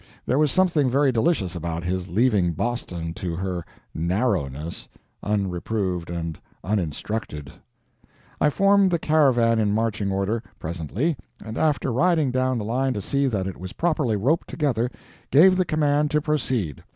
There was something very delicious about his leaving Boston to her "narrowness," unreproved and uninstructed. I formed the caravan in marching order, presently, and after riding down the line to see that it was properly roped together, gave the command to proceed.